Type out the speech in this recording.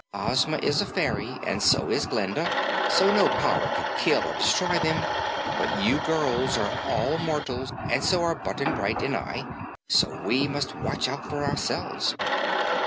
Ozma is a fairy, and so is Glinda, so no power can kill or destroy them, but you girls are all mortals and so are Button Bright and I, so we must watch out for ourselves."